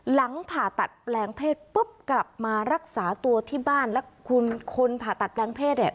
หลังผ่าตัดแปลงเพศปุ๊บกลับมารักษาตัวที่บ้านแล้วคุณคนผ่าตัดแปลงเพศเนี่ย